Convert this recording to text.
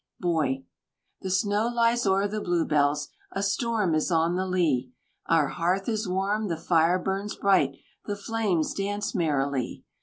BOY. "The snow lies o'er the Blue bells, A storm is on the lea; Our hearth is warm, the fire burns bright, The flames dance merrily.